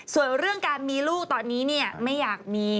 ส่วนเรื่องการมีลูกตอนนี้เนี่ยไม่อยากมี